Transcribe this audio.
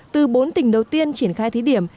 từ bốn tỉnh đầu tiên triển khai thí điểm